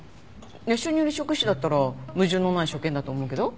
熱傷によるショック死だったら矛盾のない所見だと思うけど？